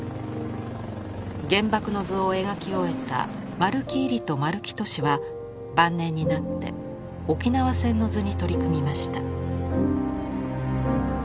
「原爆の図」を描き終えた丸木位里と丸木俊は晩年になって「沖縄戦の図」に取り組みました。